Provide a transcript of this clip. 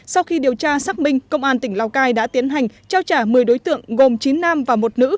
sau khi điều tra xác minh công an tỉnh lào cai đã tiến hành trao trả một mươi đối tượng gồm chín nam và một nữ